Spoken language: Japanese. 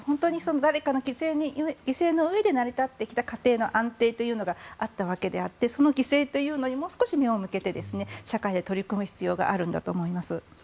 誰かの犠牲の上に成り立ってきた家庭の安定というのがあったわけであってその犠牲というのにもう少し目を向けて社会で取り組む必要があると思います。